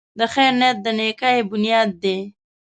د خیر نیت د نېکۍ بنیاد دی.